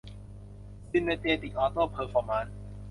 ซินเนอร์เจติค ออโต้ เพอร์ฟอร์มานซ์